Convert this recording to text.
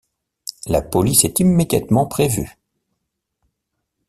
La police est immédiatement prévue.